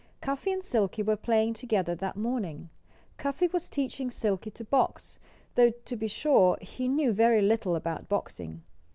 Cuffy and Silkie were playing together that morning. Cuffy was teaching Silkie to box, though, to be sure, he knew very little about boxing.